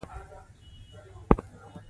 مقابل لوري ناره کړه.